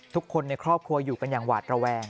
ทุกคนในครอบครัวอยู่กันอย่างหวาดระแวง